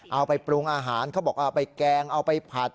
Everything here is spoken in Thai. เอาไปปรุงอาหารเขาบอกเอาไปแกงเอาไปผัด